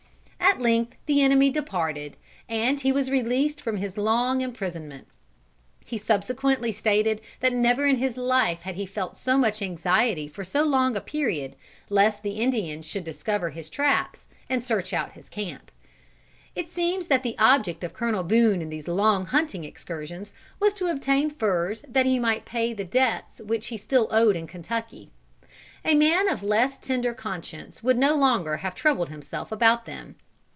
At length the enemy departed, and he was released from his long imprisonment. He subsequently stated that never in his life had he felt so much anxiety for so long a period, lest the Indians should discover his traps and search out his camp. It seems that the object of Colonel Boone in these long hunting excursions was to obtain furs that he might pay the debts which he still owed in Kentucky. A man of less tender conscience would no longer have troubled himself about them.